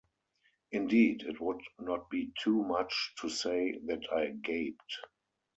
Indeed, it would not be too much to say that I gaped.